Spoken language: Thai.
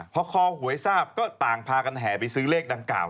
พอคอหวยทราบก็ต่างพากันแห่ไปซื้อเลขดังกล่าว